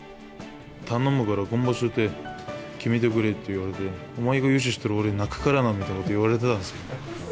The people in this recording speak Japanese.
頼むから今場所で決めてくれって言われて、お前が優勝したら俺泣くからみたいなことを言われてたんですよ。